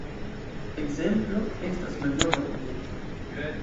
Ekzemplo estas malnova dokumento.